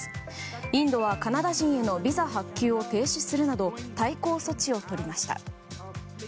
インドは、カナダ人へのビザ発給を停止するなど対抗措置を取りました。